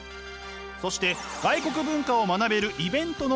そして外国文化を学べるイベントの開催。